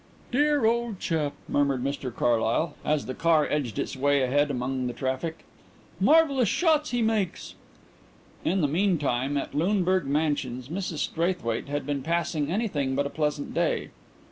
"Dear old chap," murmured Mr Carlyle, as the car edged its way ahead among the traffic. "Marvellous shots he makes!" In the meanwhile, at Luneburg Mansions, Mrs Straithwaite had been passing anything but a pleasant day.